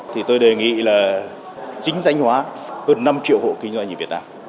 thì tôi đề nghị là chính danh hóa hơn năm triệu hộ kinh doanh ở việt nam